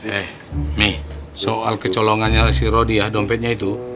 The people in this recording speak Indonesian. eh mi soal kecolongannya si rodia dompetnya itu